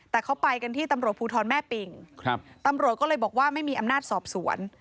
แต่เขาไปกันที่ตำรวจภูทรแม่ปิ่งตำรวจก็เลยบอกว่าไม่มีอำนาจสอบสวน